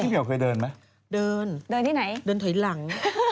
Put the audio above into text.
พี่เบียวเคยเดินมั้ยเดินเดินทีไหนเดินทีหลัง